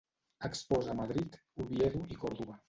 Exposa a Madrid, Oviedo i Còrdova.